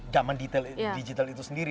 zaman digital itu sendiri